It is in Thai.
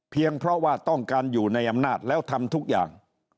เพราะว่าต้องการอยู่ในอำนาจแล้วทำทุกอย่าง